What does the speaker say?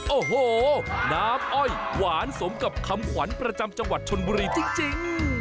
โอ้โหน้ำอ้อยหวานสมกับคำขวัญประจำจังหวัดชนบุรีจริง